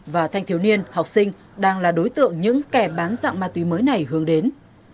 và thanh thiếu niên học sinh đang là đối tượng những kẻ bán dạng ma túy mới này hướng đến